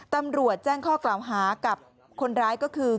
ตำรวจแจ้งข้อกล่าวหากับคนร้ายก็คือ